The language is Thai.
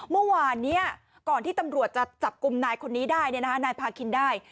เมื่อวานนี้ก่อนที่ตำรวจจะจับกลุ่มนายคนนี้ได้นายพาคินได้